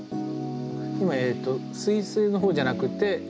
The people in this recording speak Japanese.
今えっと「水星」の方じゃなくて。